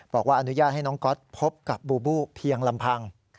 บอกว่าอนุญาตให้น้องก๊อตพบกับบูบูเพียงลำพัง